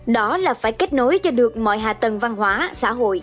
đó là phải kết nối cho được mọi hạ tầng văn hóa xã hội